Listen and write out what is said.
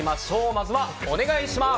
まずは、お願いします！